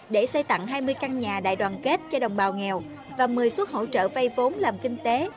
để xây tặng hai mươi căn nhà đại đoàn kết cho đồng bào nghèo và một mươi suất hỗ trợ vây vốn làm kinh tế